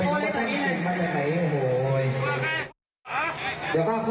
โอ้โหอย่างงี้ไม่น่าทดนะครับผม